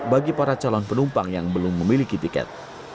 bagi para calon penumpang yang belum memiliki tiket